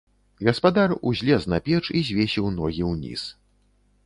Гаспадар узлез на печ і звесіў ногі ўніз.